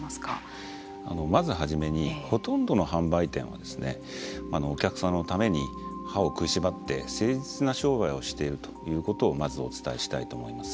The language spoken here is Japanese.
まず初めにほとんどの販売店はお客様のために歯を食いしばって誠実な商売をしているということをまずお伝えしたいと思います。